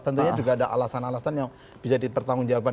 tentunya juga ada alasan alasan yang bisa dipertanggungjawabkan